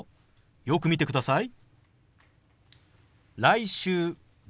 よく見てください。